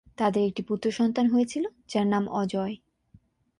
তাদের একটি পুত্র সন্তান হয়েছিল, যার নাম অজয়।